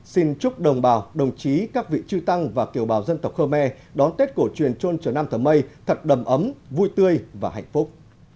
xin chúc đồng bào đồng chí các vị trư tăng và kiều bào dân tộc khơ me đón tết cổ truyền trôn trở nam thờ mây thật đầm ấm vui tươi và hạnh phúc